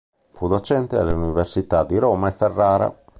Fu docente alle università di Roma e Ferrara.